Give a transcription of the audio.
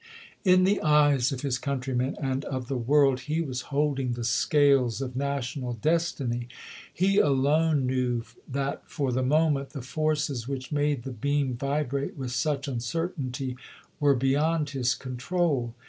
In the eyes of his countrymen and of the world he was holding the scales of national destiny ; he alone knew that for the moment the forces which made the beam vibrate with such uncertainty were beyond his control.